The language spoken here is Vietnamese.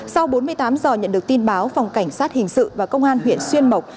sau bốn mươi tám giờ nhận được tin báo phòng cảnh sát hình sự và công an huyện xuyên mộc